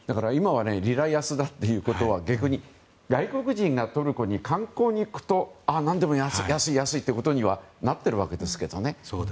今はリラ安だということは逆に外国人がトルコに観光に行くと何でも安いということにはなっているわけですけどね。